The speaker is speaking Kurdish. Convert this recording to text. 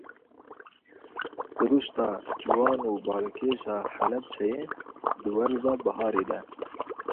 Siruşta ciwan û balkêş a Helebceyê di werza biharê de.